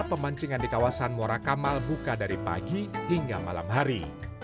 pemancingan di kawasan muara kamal buka dari pagi hingga malam hari